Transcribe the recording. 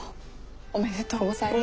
おめでとうございます。